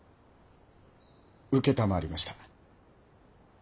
承りました。